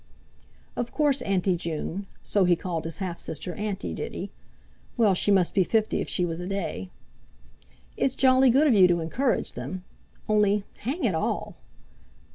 "Of course, Auntie June"—so he called his half sister "Auntie," did he?—well, she must be fifty, if she was a day!—"it's jolly good of you to encourage them. Only—hang it all!"